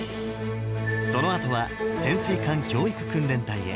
そのあとは、潜水艦教育訓練隊へ。